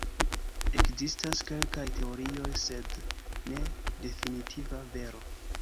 Ekzistas kelkaj teorioj, sed ne definitiva vero.